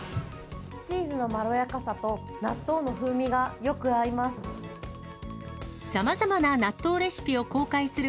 チーズのまろやかさと、納豆の風味がよく合います。